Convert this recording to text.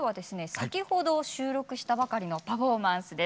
先ほど収録したばかりのパフォーマンスです。